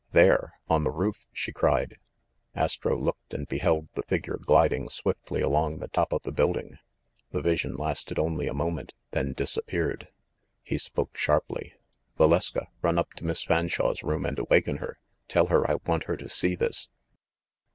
"There! On the roof!" she cried. Astro looked and beheld the figure gliding swiftly along the top of the building. The vision lasted only a moment, then disappeared. He spoke sharply. "Valeska, run up to Miss Fan shawe's room and awaken her! Tell her I want her to see this